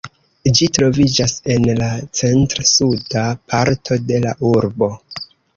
Ĝi troviĝas en la centr-suda parto de la urbo.